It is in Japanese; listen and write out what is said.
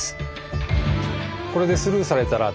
これでスルーされたら。